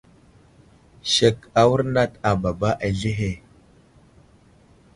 Sek awurnat a baba aslehe.